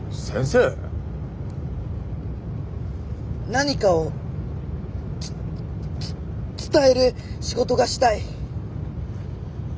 何かをつつ伝える仕事がしたい。